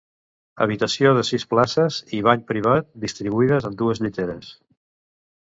Habitació de sis places i bany privat, distribuïdes en dues lliteres.